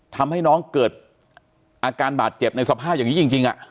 ทำให้น้องเกิดอาการบาดเจ็บในสภาพอย่างนี้จริง